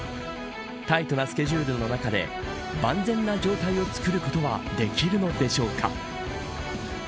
タイトなスケジュールの中で万全な状態をつくることはできるのでしょうか。